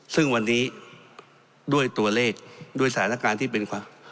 ซึ่งวันนี้ด้วยตัวเลขด้วยสถานการณ์ที่เป็นความ